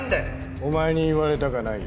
お前に言われたかないよ。